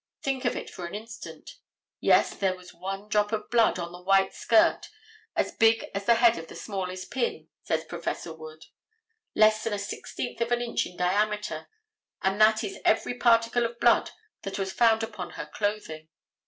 Think of it for an instant. Yes, there was one drop of blood on the white skirt as big as the head of the smallest pin, says Prof. Wood. Less than a sixteenth of an inch in diameter; and that is every particle of blood that was found upon her clothing.